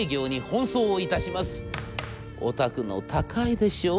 『お宅の高いでしょ。